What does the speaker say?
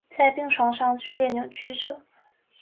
在病床上剧烈扭曲著